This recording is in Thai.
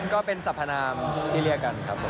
ก็เป็นสัพพนามที่เรียกกันครับผม